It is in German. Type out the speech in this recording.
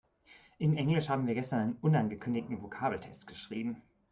In Englisch haben wir gestern einen unangekündigten Vokabeltest geschrieben.